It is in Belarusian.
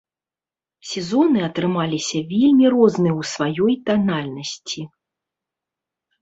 Сезоны атрымаліся вельмі розныя ў сваёй танальнасці.